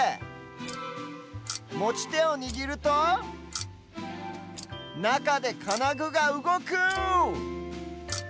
もちてをにぎるとなかでかなぐがうごく！